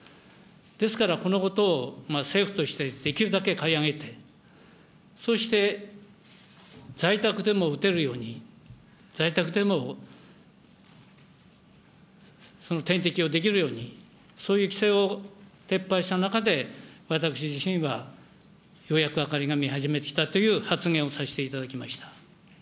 ですからこのことを政府としてできるだけ買い上げて、そして在宅でも打てるように、在宅でもその点滴をできるように、そういう規制を撤廃した中で、私自身はようやく明かりが見え始めてきたという発言をさせていただきました。